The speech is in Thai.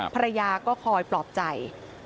ภรรยาก็คอยปลอบใจ